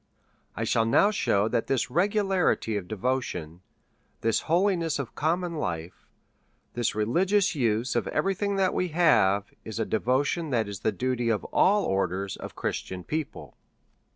I shall now shew that this regularity of devotion, this holiness of common life, this religious use of every thing that we have, is a devotion that is the duty of all orders of Christian people.